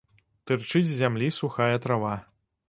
Тырчыць з зямлі сухая трава.